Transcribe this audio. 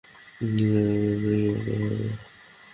নিজের বলতে কেউ তো হবে।